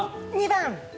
２番！